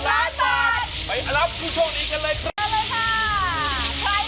ต้องโกยกดมึงกดลึกเลยทีเดียวโกยอีกมากจริง